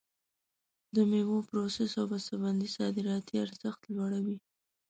د میوو پروسس او بسته بندي صادراتي ارزښت لوړوي.